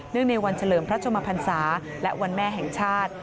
เนื่องในวันเฉลิมพระชมพันธ์ศาสตร์และวันแม่แห่งชาติ